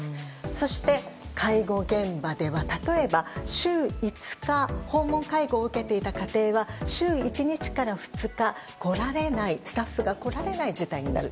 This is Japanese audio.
そして、介護現場では例えば週５日、訪問介護を受けていた家庭は週１日から２日スタッフが来られない事態になる。